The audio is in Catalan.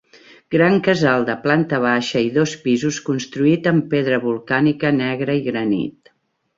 Gran casal de planta baixa i dos pisos construït amb pedra volcànica negra i granit.